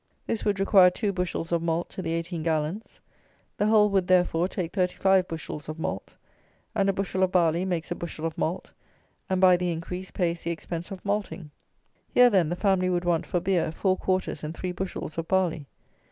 This would require two bushels of malt to the 18 gallons. The whole would, therefore, take 35 bushels of malt; and a bushel of barley makes a bushel of malt, and, by the increase pays the expense of malting. Here, then, the family would want, for beer, four quarters and three bushels of barley.